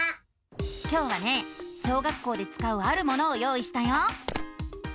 今日はね小学校でつかうあるものを用意したよ！